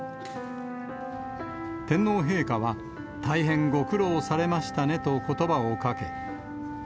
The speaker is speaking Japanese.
天皇陛下は、大変ご苦労されましたねとことばをかけ、